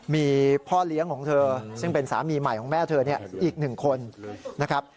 มีพ่อเลี้ยงของเธอซึ่งเป็นสามีใหม่ของแม่เธอเนี่ยอีกหนึ่งคนนะครับ